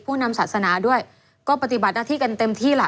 นำศาสนาด้วยก็ปฏิบัติหน้าที่กันเต็มที่แหละ